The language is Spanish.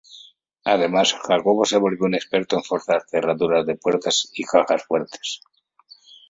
Además, Jacob se volvió un experto en forzar cerraduras de puertas y cajas fuerte.